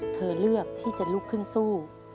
เธอเลือกที่จะลุกขึ้นสู้